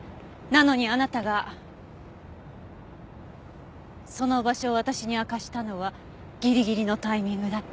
なのにあなたがその場所を私に明かしたのはギリギリのタイミングだった。